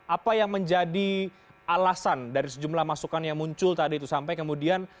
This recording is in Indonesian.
apa yang menjadi alasan dari sejumlah masukan yang muncul tadi itu sampai kemudian